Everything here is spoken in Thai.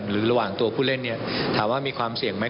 หรือระหว่างตัวผู้เล่นถามว่ามีความเสี่ยงไหม